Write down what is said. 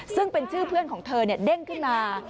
ซึ่งเป็นชื่อเพื่อนของเธอเด้งขึ้นมา